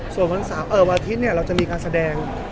ส่วนวันอาทิตย์เราจะมีการแสดง